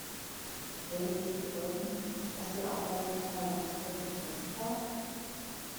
Würde dies bedeuten, dass die Arbeit meiner Landsleute umsonst war?